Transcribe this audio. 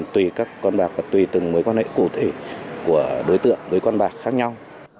năm mươi bảy một trăm linh tùy các con bạc và tùy từng mối quan hệ cụ thể của đối tượng với con bạc khác nhau